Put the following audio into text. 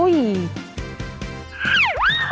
โอ้โฮ